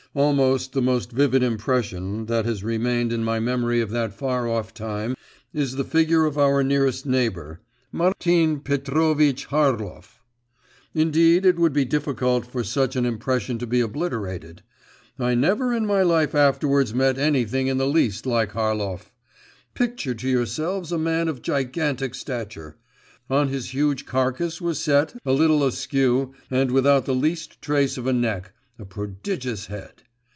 Almost the most vivid impression, that has remained in my memory of that far off time, is the figure of our nearest neighbour, Martin Petrovitch Harlov. Indeed it would be difficult for such an impression to be obliterated: I never in my life afterwards met anything in the least like Harlov. Picture to yourselves a man of gigantic stature. On his huge carcase was set, a little askew, and without the least trace of a neck, a prodigious head.